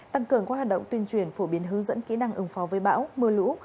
tăng cường các hoạt động tuyên truyền phổ biến hướng dẫn kỹ năng ứng phó với bão mưa lũ